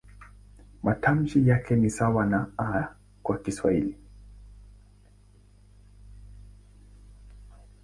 Matamshi yake ni sawa na "i" kwa Kiswahili.